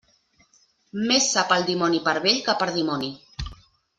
Més sap el dimoni per vell que per dimoni.